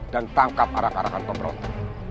dan tangkap arak arakan pemberontak